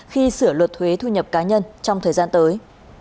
khi sửa luật thuế thu nhập cá nhân trong thời gian tới